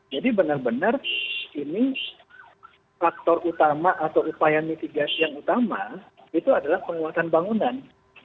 jadi benar benar ini faktor utama atau upaya mitigasi yang utama itu adalah pengeluaran bangunan